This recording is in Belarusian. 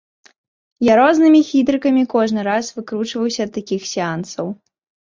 Я рознымі хітрыкамі кожны раз выкручваюся ад такіх сеансаў.